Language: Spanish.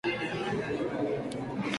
Además fue alcalde de Mixco.